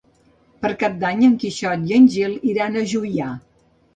Per Cap d'Any en Quixot i en Gil iran a Juià.